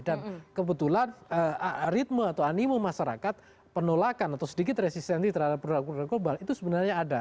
dan kebetulan ritme atau animo masyarakat penolakan atau sedikit resistensi terhadap produk produk global itu sebenarnya ada